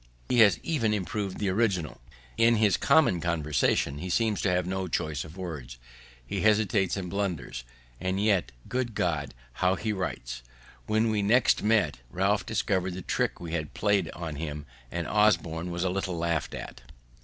He has even improv'd the original. In his common conversation he seems to have no choice of words; he hesitates and blunders; and yet, good God! how he writes!" When we next met, Ralph discovered the trick we had plaid him, and Osborne was a little laughed at.